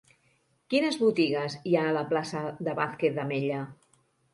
Quines botigues hi ha a la plaça de Vázquez de Mella?